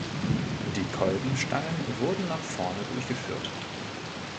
Die Kolbenstangen wurden nach vorne durchgeführt.